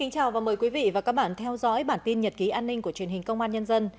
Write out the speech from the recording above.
chào mừng quý vị đến với bản tin nhật ký an ninh của truyền hình công an nhân dân